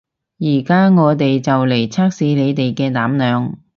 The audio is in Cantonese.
而家我哋就嚟測試你哋嘅膽量